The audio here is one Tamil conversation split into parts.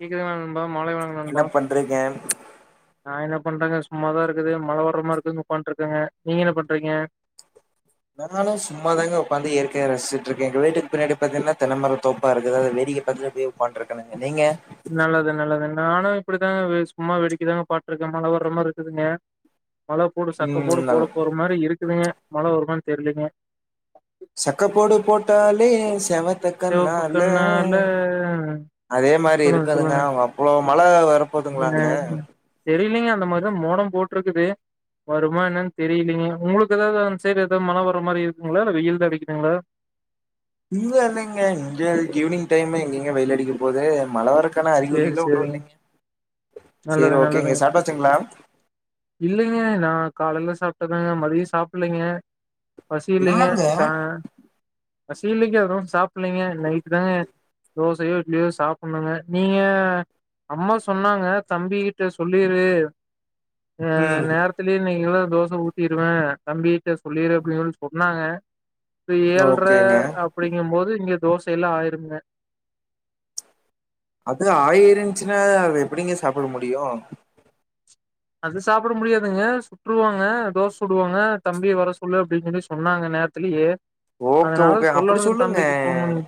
கேக்குதா நண்பா மாலை வணக்க என்ன நண்பா பண்றீங்க நா என்ன பண்றங்க சும்மா தா இருக்குது மழ வர மார்ருக்குதுன் ஒக்காந்ட்ருக்கங்க நீங்க என்ன பண்றீங்க [unintelligible] னால சும்மாதாங்க ஒக்காந்து இயற்கைய ரஸ்ச்சிட்ருக்கே எங்க வீட்டுக் பின்னாடி பாத்தீங்னா தென்னமர தோப்பா இருக்கு அத வேடிக்க பாத்துட்டு அப்டியே ஒக்காந்ட்ருக்கனுங்க நீங்க நல்லது நல்லது நானு இப்பிடிதாங்க வே சும்மா வேடிக்கைய தாங்க பாட்ருக்கே மழ வர்ற மார்ருக்குதுங்க மழ போடு சக்க போடு ம் போட போற மாரி இருக்குதுங்க மழ வருமானு தெரிலிங்க செக்க போடு போட்டாலே செவத்த சிவப்பு கண்ணால கண்ணால அதே மாரி சொல்லுங்க இருக்குதுங்க சொல்லுங்க அவங்க அவ்ளோ மழ வரப்போதுங்களாங்க தெரிலிங்க அந்த மார்தா மோடோ போட்ருக்குது வருமா என்னன்னு தெரியலீங்க உங்களுக்கு எதாவது அந்த சைடு எதாவது மழ வர மாரி இருக்குங்களா இல்ல வெயில் தா அடிக்குதுங்களா [unintelligible] இல்லங்க இங்க ஈவினிங் டைமு எங்கிங்க வெயிலடிக போது மழ வர கன சேரி அறிகுறில ஒன்னு சேரிங்க இல்லங்க நல்லது சேர் ஓகேங்க சாப்ட்டாச்சுங்களா இல்லங்க நா காலைல சாப்ட்டதுதாங்க மதியோ சாப்பல்லிங்க பசி இல்லைங்க என்னங்க சா பசி இல்லைக அதனா சாப்பலைங்க நைட்டு தாங்க தோசயோ இட்லியோ சாப்பிடுணுங்க நீங்க அம்மா சொன்னாங்க தம்பி கிட்ட சொல்லீரு அ ம் நேர த்துலே நீங்களா தோச ஊத்திருவ தம்பியிட்ட சொல்லீரு அப்டின்னு சொல்லி சொன்னாங்க இப்ப ஏல்ற ஓகேங்க அப்டிங்க போது இங்க தோசைலா ஆயிரும்ங்க அதுல ஆயிருந்ச்சுன்னா அத எப்படிங்க சாப்பட முடியு அது சாப்பட முடியாதுங்க சுட்ருவாங்க தோச சுடுவாங்க தம்பிய வர சொல்லு அப்டின்னு சொல்லி சொன்னாங்க நேரத்துலயே ஓகே அதனால ஓகே அப்படி சொல்லணுங்க சொல்லுங்க தம்பிக்கு ஃபோன் பண்ணி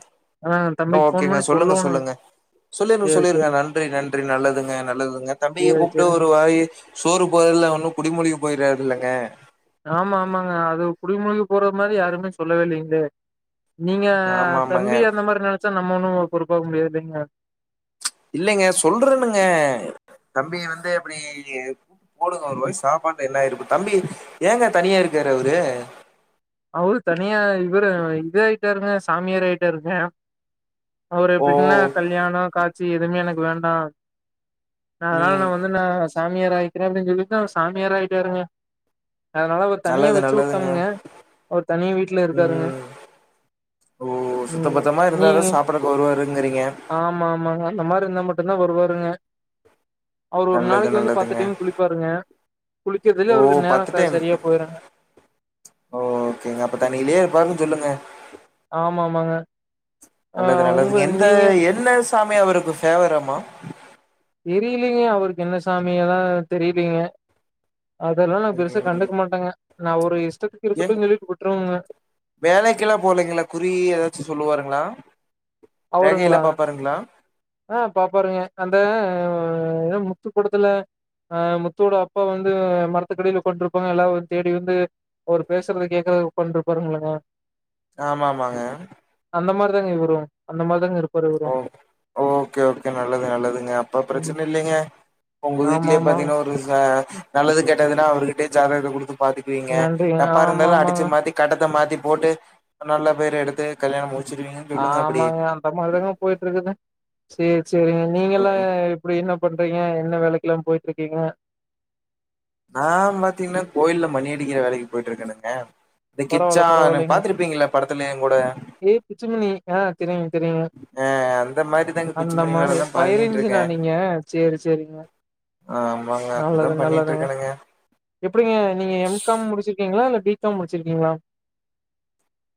ஆ தம்பிக்கு ஃபோன் ஓகேங்க பண்ணி சொல்லுங்க சொல்லோணுங்க சொல்லுங்க சொல்லீர்னு சேரி சொல்லீர்ங்க சேரி நன்றி நன்றி நல்லதுங்க நல்லதுங்க தம்பிக சேரி கூப்ட்டு சேரிங்க ஒரு வாய் சோறு போறதுல ஒன்னு குடிமுழுவி போயிறாதுல்லங்க ஆமா ஆமாங்க அது குடிமுழுகி போற மாரி யாருமே சொல்லவே இல்லங்களே நீங்க ஆமா ஆமாங்க தம்பிய அந்த மார் நெனச்சா நம்ம ஒண்ணு பொறுப்பாக முடியாதில்லிங்க இல்லைங்க சொல்றேன்னுங்க தம்பி வந்து அப்படி [inaudible] போடுங்க ஒரு வாய் சாப்பாட்ல என்ன ஆயிரு இப்ப தம்பி ஏங்க தனியா இருக்காரு அவரு அவரு தனியா இவரு இதாயிட்டாருங்க சாமியார் ஆயிட்டாருங்க அவரு ஓ எப்படின்னா கல்யாணோ காட்சி எதுவுமே எனக்கு வேண்டா நா அதனால ம் நா வந்து நா சாமியாராயிக்கற அப்டின்னு சொல்லிட்டு அவர் சாமியாராயிட்டாருங்க அதனால அவரு தனியா நல்லது நல்லதுங்க வெச்சூட்டமுங்க அவர் தனி வீட்டுல இருக்காருங்க ம் ஓ ம் சுத்தபத்தமா இருந்தாதா நீகா சாப்டக்கு வருவாருங்கிறீங்க ஆமா ஆமாங்க இந்த மார் இருந்தா மட்டுதா வருவாருங்க அவரு ஒரு நல்லது நாளைக்கு வந்து பத்து நல்லதுங்க டைம் குளிப்பாருங்க குளிக்கறதுலே ஓ அவருக்கு நேரோ க செரியா போயிருங்க ஓ ஓகேங்க அப்ப தண்ணீலே இருப்பாருன்னு சொல்லுங்க ஆமா ஆமாங்க ஆ நல்லது உங்க நல்லதுங்க எந்த நீங்க என்ன சாமி அவருக்கு ஃபேவராமா தெரிலீங்க அவருக்கு என்ன சாமி எதா தெரிலீங்க அதலா நா பெருசா ம் கண்டுக மாட்டங்க நா அவுரு இஷ்டத்துக்கு ஏ இருக்கட்டுன் சொல்லீட்டு விட்ருவங்க வேலைக்கெல்லா போலைங்களா குறி எதாச்சு சொல்லுவாருங்களா ரேகையில அவருங்களாங்க பாப்பாருங்களா ஆ பாப்பாருங்க அந்த எதோ முத்து படத்துல அ முத்துவோட அப்பா வந்து மரத்துக்கடைல உக்காந்ட்ருப்பாங்க எல்லா அவரு தேடி வந்து அவரு பேசுறது கேக்கறது உக்கான்ட்ருப்பாருங்கல் ளங்க ஆமாமாங்க அந்த மார்தாங்க இவரு அந்த மார்தாங்க இருப்பாரு இவரு ஓ ஓகே ஓகே நல்லது நல்லதுங்க அப்ப ம் பிரச்சன இல்லங்க உங்க வீட்லயே ஆமாமா பாத்தீங்கன்னா ஒருச நல்லது கேட்டதுன்னா அவர்கிட்டே ஜாதக கொடுத்து பாத்துக்குவீங்க நன்றிங்க தப்பா இருந்தாலு ஆமாமாங்க அடிச்சு மாத்தி கட்டத்த மாத்தி போட்டு நல்ல பேர் எடுத்து கல்யாணோ முச்சிருக்வீங்க ஆமாங்க அந்த மாரிதங்க போயிட்டு இருக்குது சேரி சேரிங்க நீங்க எல்லா எப்படி என்ன என்ன பண்றீங்க என்ன வேலைக்குல்லா போயிட்டு இருக்கீங்க நா பாத்தீங்கன்னா கோயில்லா மணியடிக்கிற வேலைக்கு போயிட்டு இருக்கானுங்க இது கிச்சா பரவால்ல நீ பரவால்லைங்க பாத்துருப்பீங்கள படத்துல என் கூட ஏ பிச்சுமணி ஆ தெரியுங்க தெரியுங்க ஆ அந்த மாரிதாங்க பிச்சு அந்த மணி மாரி வேலைதா ஃபயர் பண்ணிட்டு இன்ஜினா இருக்கே நீங்க சேரி சேரிங்க ஆமாங்க அப்படித்தா நல்லது பண்ணிட்டு நல்லதுங்க இருக்கணுங்க எப்டிங்க நீங்க எம்கம் முடிச்சிருக்கீங்களா இல்ல பிகாம் முடிச்சிருக்கீங்களா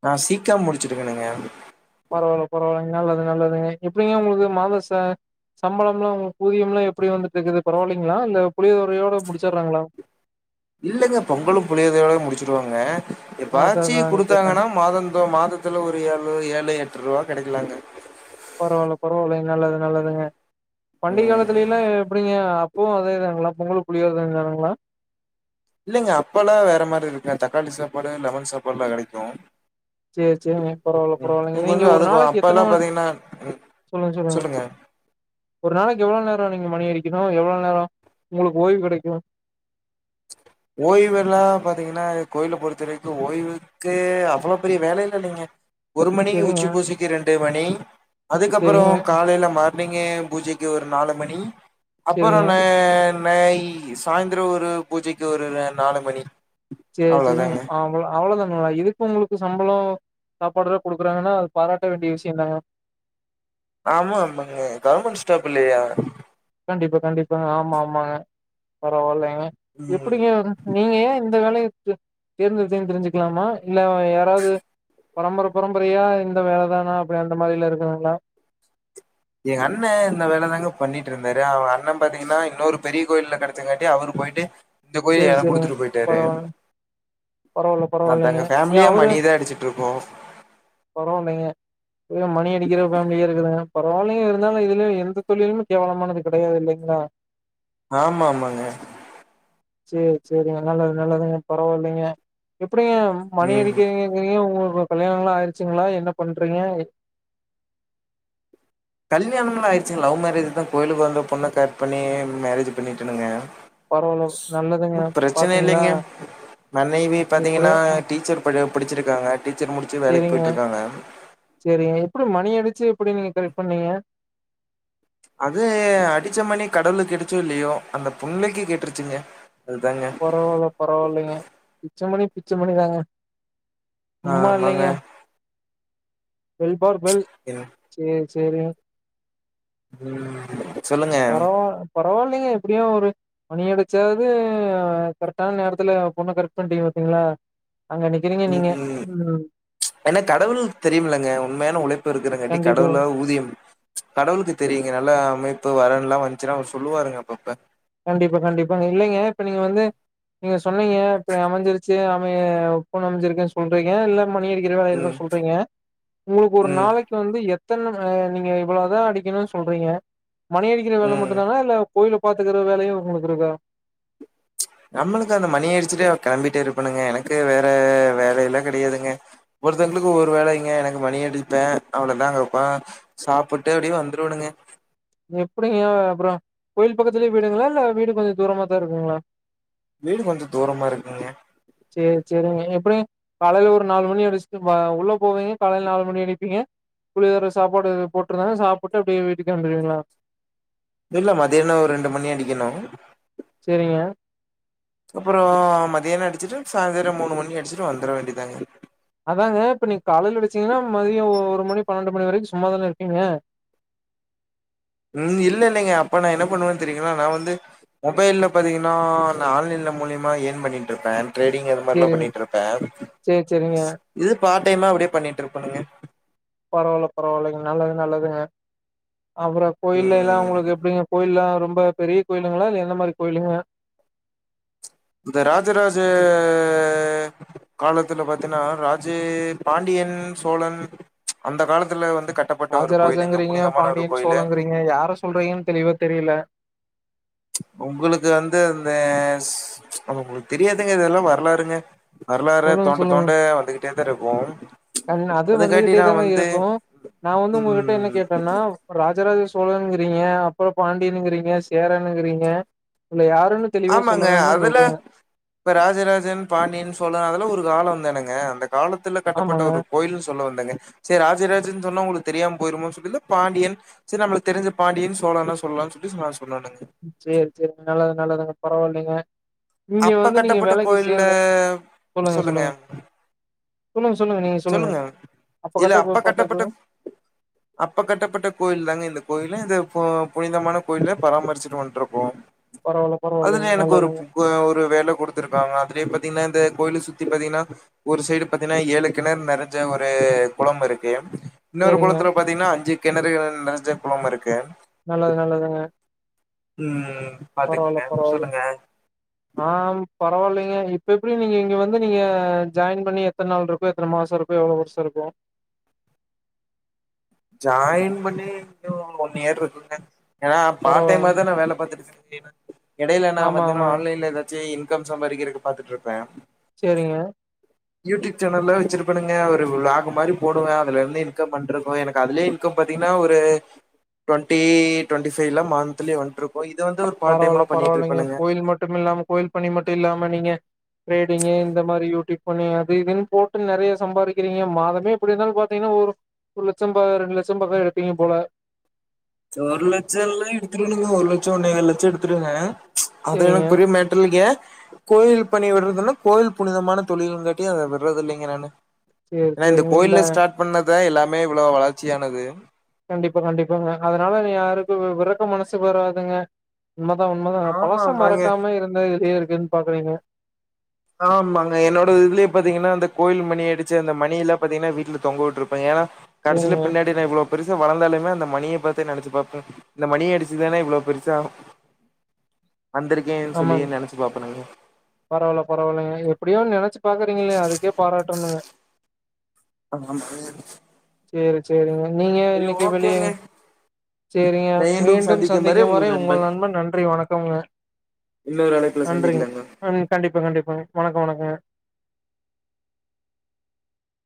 நா சீக்கம் முடிச்சிருக்கனுங்க பரவாயில்ல பரவாயில்ல நல்லது நல்லதுங்க எப்டிங்க உங்களுக்கு மாதச சம்பளம்லா உங்க ஊதியம்லா எப்டி வந்துட்டுக்கு பரவாயில்லைங்களா இல்ல புளியதறையோட முடிச்சிடுறாங்களா இல்லங்க பொங்கலு புளியோதரை முடிச்சிருவாங்க ஆ அதா எப்பயாச்சு அதாங்க கேட்டே குடுத்தாங்கன்னா மாதம் இந்த மாதத்துல ஒரு ஏழுநூறு ஏழு எட்டு ரூபா கிடைக்கலாங்க பரவால்ல பரவால்ல நல்லது நல்லதுங்க பண்டிக ம் காலத்துலா எப்டிங்க இப்பவு அதே தானங்களா பொங்கு புளியோதரைதானுங்களா இல்லைங்க அப்போல்லா வேற மாதிரி இருக்கு தக்காளி சாப்பாடு லெமன் சாப்பாடுலா கிடைக்கு செரி செரிங்க பரவால்ல பரவால்லங்க உங்களுக்கு நீங்க வந்து ஒரு அதுக்கு நாளைக்கு அப்பல்லா எத்தன பாத்தீங்கன்னா ம் சொல்லுங்க சொல்லுங்க ஒரு நாளைக்கு எவ்ளோ நேரம் நீங்க மணியாடிக்கணு எவ்ளோ நேரோ உங்களுக்கு ஓய்வு கிடைக்கு ஓய்வுலா பாத்தீங்கன்னா கோயில பொறுத்த வரைக்கு ஓய்வு க்கு அவ்ளோ பெரிய வேலல்ல இல்லைங்க ஒரு மணி செரிங்க உச்சி பூசிக்கு ரெண்டு மணி அதுக்கப்றோ செரிங்க காலையில மாற நீங்க பூஜைக்கு ஒரு நாலு மணி அப்றோ செரிங்க நா நெய் சாய்ந்தரோ ஒரு பூஜைக்கு ஒரு நாலு மணி செரி சேரி அவ்வளோதாங்க அவள அவ்ளோதானங்களா இதுக்கு உங்களுக்கு சம்பளோ சாப்பாடுல கொடுக்குறாங்கன்னா அது பாராட்ட வேண்டிய விஷயோதாங்க ஆமா ஆமாங்க கவர்மெண்ட் ஸ்டாப் இல்லையா கண்டிப்பா கண்டிப்பாங்க ஆமா ஆமாங்க பரவாயில்லைங்க எப்டி ம் நீங்க ஏன் இந்த வேலைய தேர் தேர்ந்தெடுத்தங்க தெரிஞ்சுக்கலாமா இல்ல யாராவது பரம்பரை பரம்பரையா இந்த வேலதானா அப்டி அந்த மாரில இருக்குராங்களா எங்க அண்ணே இந்த வேல தாங்க பண்ணிட்டு இருந்தாரு அவுங்க அண்ணன் பாத்தீங்கன்னா இன்னொரு பெரிய கோயில கிடைச்சங்காட்டி அவரு போயிட்டு இந்த கோயில சேரி எனக்கு சேரிங்க குடுத்துட்டு போயிட்டாரு பரவால்ல பரவால்ல ந பரவால்லைங்க தங்க ஏ ஃபேமிலியே மணிதா அடிச்சிட்டு இருக்கோ பரவாயில்லைங்க மணி அடிக்கிற பேமிலிய இருக்குது பரவாயலங்க இருந்தாலு இதுலய எந்த தொழிலுமே கேவலமானது கிடையாது இல்லைங்களா ஆமா ஆமாங்க சேரி சேரிங்க நல்லது நல்லதுங்க பரவாயில்லைங்க எப்டிங்க ம் மணிடிக்கிற ங்க உங்களுக்கு கல்யாணம்லா ஆயிடுச்சுங்களா என்ன பண்றீங்க கல்யாணலாஆயிடுச்சு லவ் மேரேஜ் தா கோயிலுக்கு வந்த பொண்ணு கரக்ட்பண்ணி மேரேஜ் பண்ணிட்டுனுங்க பரவால ந பிரச்சனை இல்லைங்க மனைவி பாத்தீங்கன்னா எப்டியோ டீச்சர் ப படிச்சிருக்காங்க டீச்சர் முடிச்சு வேலைக்கு போயிட்டு இருக்காங்க சேரி எப்டி மணி அடிச்சு எப்டி நீங்க கரெக்ட் பண்ணீங்க அது அடிச்ச மணி கடவுளுக் கேட்டச்சோ இல்லையோ அந்த பொண்ணக்கு கேட்டுருச்சிங்க அதுதாங்க பரவாயில்ல பரவாயில்லங்க பிச்சமணி பிச்சமணிதாங்க சும்மா ஆமாங்க இல்லங்க பெல் பார் பெல் ஏனா சேரி சேரிங்க சொல்லுங்க பரவா பரவாயில்லைங்க எப்டியு ஒரு மணி அடிச்சாவது கரெக்டான நேரத்துல பொண்ணு கரெக்ட் பண்ணிட்டீங்க பாத்தீங்ளா அங்க அன் [unintelligible] நீங்க உம் ஏனா கடவுள் தெரியுமில்லங்க உண்மையான உழைப்பு இருக்குறங்காட்டி கண்டிப்பா கடவுள ஊதியம் கடவுளுக்கு தெரியுங்க நல்லா அமைப்பு வரன்லா வந்துச்சின்னா அவர் சொல்லுவாருங்க அப்பப்ப கண்டிப்பா கண்டிப்பா இல்லங்க இப்ப நீங்க வந்து நீங்க சொன்னீங்க இப்ப அமைஞ்சிருச்சே அமைய பொண்ணு அமைஞ்சிருக்குன்னு சொல்றீங்க இல்ல மணி இறைவா ம் [unintelligible] சொல்றங்க உங்களுக்கு ஒரு ம் நாளைக் கு வந்து எத்தன அ நீங்க இவ்வளதா அடிக்கணு சொல்றங்க மணி அடிக்கிற வேல ம் மட்டுதானா இல்ல கோயல பாத்துக்கற வேலையு உங்களுக்கு இருக்கா நம்மளுக்கு அந்த மணியடிச்சிட்டே கிளம்பிட்டே இருப்பணுங்க எனக்கு வேற வேலைலா கெடையாதுங்க ஒருத்தவங்களுக்கு ஒரு வேளைங்க எனக்கு மணி அடிப்பே அவளதா வப்பா சாப்புட்டு அப்டியே வந்துருவேனுங்க எப்டிங்க அப்ரோ கோயில் பக்கத்துலயே வீடுங்ளா இல்ல வீடு கொஞ்சோ தூரமா தா இருக்குங்களா வீடு கொஞ்சோ தூரமா இருக்குங்க சேரி சேரிங்க எப்டி காலேல ஒரு நாலு மணி அடிச்சிட்டு பாவ் உள்ள போவீங்க காலேல நாலு மணி அடிப்பீய புளிதோர சாப்பாடு போட்டிருந்தா சாப்டு அப்டியே வீட்டுக்கே வந்துடுவீங்களா இல்ல மதியானதா ஒரு ரெண்டு மணி அடிக்கணு செரிங்ய அப்ரோ மதியானம் அடிச்சிட்டு சாயந்தரம் மூணு மணி அடிச்சிட்டு வந்துர வேண்டியதாக அதாங்க இப்ப நீங் காலேல அடிச்சீங்னா மதியோ ஒரு மணி பன்னெண்டு மணி வரைக்கு சும்மாதான இருப்பீங்க ம் இல்ல இல்லைங்க அப்ப நா என்ன பண்ணுவேன்னு தெரிங்களா நா வந்து மொபைல்ல பாத்தீங்கன்னா நா ஆன்லைன்ல மூலியமா ஏன் பண்ணிட்டு இருப்ப ட்ரேடிங் அந்த மாரிலா சேரிங்க பண்ணிட்டு இருப்ப சேரி சேரிங்க இது பார்ட் டைமா அப்டியே பண்ணிட்டு இருப்பணுங்க பரவாயில்ல பரவாயில்லங்க நல்லது நல்லதுங்க அப்ரோ கோயில் எல்லா ம் உங்களுக்கு எப்டிங்க கோயில்லா ரொம்ப பெரிய கோயிலுங்ளா இல்ல எந்த மாரி கோயிலுங்க இந்த ராஜராஜ காலத்துல பாத்தேன்னா ராஜே பாண்டியன் சோழன் அந்த காலத்துல வந்து கட் ராஜ ராஜங்கிறீங்க பாண்டியன் சோழங்கிறீங்க யார சொல்றீங்ன் தெளிவா தெரியல உங்களுக்கு வந்து அந்த சு உங்களுக்கு தெரியாதுங்க இதெல்லா வரலாருங்க வரலாற சொல்லுங்க தொண்ட தொண்ட வந்துகிட்டே தா இருக்கு அதுனா அது அதுக்காட்டி வந்துகிட்டே நா தான வந்து இருக்கு நா வந்து உங்ககிட்ட என்ன ம் கேட்டேன்னா ராஜராஜ சோழனுங்கிறீங்க அப்ரோ பாண்டியனுங்கிறீங்க சேரனுங்கிறீங்க இதுல யாருன்னு தெளிவா ஆமாங்க சொல்லுங்கன்னு தான் அதுல சொல்றேங்க இப்ப ராஜராஜன் பாண்டியன் சோழன் அதெல்லா ஒரு காலம் தானங்க அந்த காலத்துல கட்டப்பட்ட ஆமாங்க ஒரு கோயில் சொல்ல வந்தாங்க செரி ராஜராஜன் சொன்ன உங்களுக்கு தெரியாம போயிருமே சொல்லி பாண்டியன் செரி நம்மளுக்கு தெரிஞ்ச பாண்டியன் சோழன்னா சொல்லலான்னு சுத்திஸ் நா சொல்லலங்க செரி செரி நல்லது நல்லதுங்க பரவாயில்லைங்க இங்க அப்ப வந்து நீங்க கட்டப்பட்ட வேலைக்கு கோயில்ல சேரல சொல்லுங்க சொல்லுங்க சொல்லுங்க சொல்லுங்க நீங்க சொல்லுங்க அப்ப இல்ல கட்டக்கு பட்டக்கு கட்டப்பட்ட அப்ப கட்டப்பட்ட கோயில் தாங்க இந்த கோயிலு இது பு புனிதமான கோயிலு பராமரிச்சுட்டு வந்ட்டுருக்கோ பரவால்ல அதுல பரவாயில்லைங்க எனக்கு ஒருப் நல்லதுங்க பு ஒரு வேல கொடுத்துருக்காங்க அதுலயே பாத்தீங்கன்னா இந்த கோயில சுத்தி பாத்தீங்கன்னா ஒரு சைடு பாத்தீங்கன்னா ஏழு கிணறு நிரஞ்ச ஒரு குளம் இருக்கு இன்னொரு சேரிங்க குளத்துல பாத்தீங்கன்னா அஞ்சு கிணறு அ நிரஞ்ச குளம் இருக்கு நல்லது நல்லதுங்க ம் பரவால்ல பாத்துக்குங்க பரவால்ல சொல்லுங்க ஆ பரவாயில்லைங்க இப் இப்ப எப்டி நீங்க இங்க வந்து நீங்க ஜாயின் பண்ணி எத்தன நாள் இருக்கும் எத்தன மாசம் இருக்கும் எவ்வளவு வருஷம் இருக்கும் ஜாயின் பண்ணி எப்டியு ஒன் இயர் இருக்குங்க ஏனா பார்ட் பரவா டைம் தா நா பாத்துட்டு [inaudible] இடையில நா ஆமா பாத்தீங்கன்னா ஆமாங்க ஆன்லைன்ல ஏதா ச்சு இன்கம் சம்பாதிக்கிறக்கு பாத்துட்டு இருப்பே சேரிங்க யூடிப் சேனல்லா வச்சிருப்பனுங்க ஒரு விளாக் மாரி போடுவே அதுல இருந்து இன்கம் வன்ட்ருக்கு எனக் அதுலே இன்கம் பாத்தீங்னா ஒரு டொண்டி டொண்டிஃபைலா மன்திலி வந்ன்ட்ரு ஓ இது வந்து ஒர் பரவால்ல பரவால்லிங்க கோயில் மட்டுமில்லாம கோயில் பணி மட்டு இல்லாம நீங்க டிரேடிங்கு இந்த மாரி யூடிப் பண்ணி அது இதுன்னு போட்டு நெறைய சம்பாதிக்கிறீங்க மாதமே ப்படி இருந்தாலு பாத்தீங்னா ஒரு ஒரு லட்சம் பா ரெண்டு லட்சம் பக்கா எடுப்பிங்க போல ஒரு லட்சோ எல்லா எடுத்தணுங்க ஒரு லட்சோ ஒன்னேகால் லட்சோ எடுத்துடேங்க அதுலா சேரிங்க பெரிய மேட்டர் இல்லேங்க கோயில் பணி விட்றதுனா கோயில் புனிதமான தொழிலுங்காட்டியு அத விட்றது இல்லீங்க நானு சேரி எனா இந்த சேரிங்க கோய்ல ஸ்டாட் பண்ணதா எல்லாமே இவ்ளோ வளர்ச்சியானது கண்டிப்பா கண்டிப்பாங்க அதனால யாருக்கு விறக்க மனசு வராதுங்க உண்மதா உண்மதா ஆமா பழச ஆமாங்க மறக்காம இருந்த இதே இருக்குன் பாக்றீங்க ஆமாங்க என்னோட இதுலே பாத்தீங்னா அந்த கோயில் மணி அடிச்சு அந்த மணி இல்லா பாத்தீங்னா வீட்ல தொங்க வுட்ருப்ப ஏனா கடசில சேரிங்க பின்னாடி நா இவ்ளோ பெருசா வளந்தாலுமே அந்த மணிய பத்தி நெனச்சு பாப்ப இந்த மணிய அடிச்சுதானே இவ்ளோ பெருசானோ வந்திருக்கேன் சொல்லி ஆமாங்க நெனச் பாப்பனுங்க பரவால்ல பரவால்லைங்க எப்டியோ நெனைச்சு பாக்றீங் ல்லையா அதுக்கே பாராட்டனுங்க ஆமாங்க சேரி சேரிங்க நீங்க சரி இன்னிக்கு வெளிய ஓகேங்க சேரிங்க மீண்டும் சந்திக்கும் வரை உங்கள் நண்பன் நன்றி வணக்கம்ங்க இன்னூராலை நன்றிங் அ கண்டிப்பா கண்டிப்பாங்க வணக்கொ வணக்கொங்க